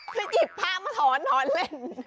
ไปหยิบผ้ามาถอนถอนเล่น